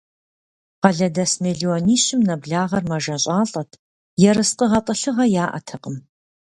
Къалэдэс мелуанищым нэблагъэр мэжэщӀалӀэт, ерыскъы гъэтӀылъыгъэ яӀэтэкъым.